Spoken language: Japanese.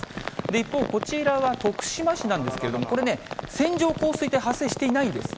一方、こちらは徳島市なんですけれども、これね、線状降水帯発生していないんです。